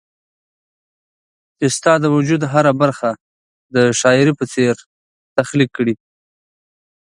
چي ستا د وجود هره برخه د شاعري په څير تخليق کړي